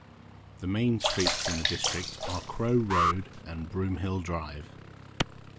The main streets in the district are Crow Road and Broomhill Drive.